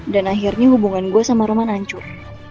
dan akhirnya hubungan gue sama roman hancur